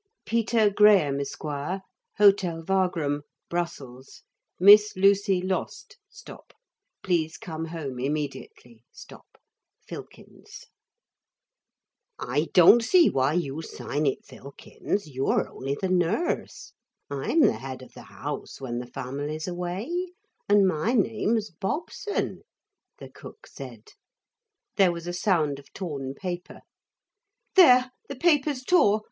'Peter Graham, Esq., Hotel Wagram, Brussels. Miss Lucy lost. Please come home immediately. PHILKINS. That's all right, isn't it?' 'I don't see why you sign it Philkins. You're only the nurse I'm the head of the house when the family's away, and my name's Bobson,' the cook said. There was a sound of torn paper. 'There the paper's tore.